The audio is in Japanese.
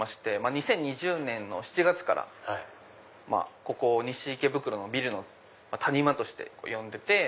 ２０２０年の７月からここ西池袋のビルの谷間として呼んでて。